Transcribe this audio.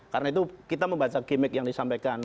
karena itu kita membaca gimmick yang disampaikan